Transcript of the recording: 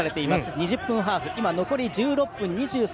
２０分ハーフ前半、残り１６分。